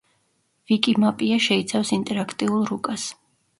ვიკიმაპია შეიცავს ინტერაქტიულ რუკას.